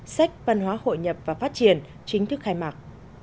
sách văn hóa hội nhập và phát triển chính thức khai mạc